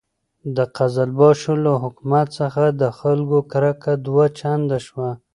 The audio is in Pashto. د قزلباشو له حکومت څخه د خلکو کرکه دوه چنده شوه.